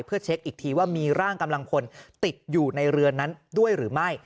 เพื่อเช็คอีกทีว่ามีร่างกำลังพลติดอยู่ในเรือนนั้นด้วยหรือไม่